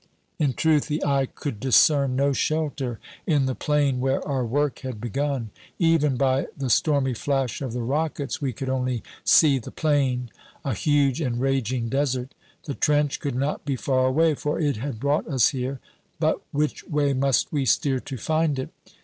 In truth the eye could discern no shelter in the plain where our work had begun. Even by the stormy flash of the rockets we could only see the plain, a huge and raging desert. The trench could not be far away, for it had brought us here. But which way must we steer to find it?